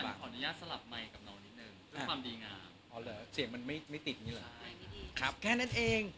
พี่อันขออนุญาตสลับไมค์กับเรานิดนึง